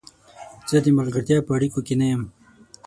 زه د ملګرتیا په اړیکو کې نه یم.